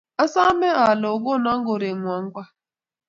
Asame ale okonon korenwang kwak